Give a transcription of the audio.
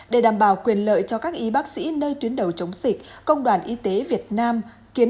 để đảm bảo quyền lợi cho các y bác sĩ nơi tuyến đầu chống dịch công đoàn y tế việt nam kiến